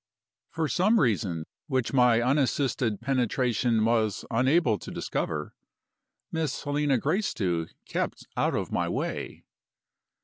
For some reason, which my unassisted penetration was unable to discover, Miss Helena Gracedieu kept out of my way.